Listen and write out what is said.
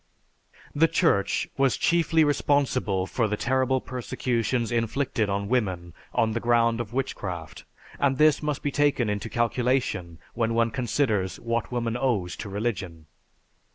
"_) The Church was chiefly responsible for the terrible persecutions inflicted on women on the ground of witchcraft and this must be taken into calculation when one considers what woman owes to religion.